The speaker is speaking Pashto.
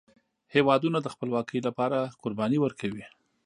هیوادونه د خپلواکۍ لپاره قربانۍ ورکوي.